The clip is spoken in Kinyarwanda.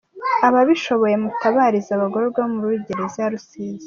Ababishoboye mutabarize abagororwa bo muri gereza ya Rusizi!